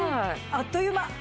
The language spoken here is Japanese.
あっという間！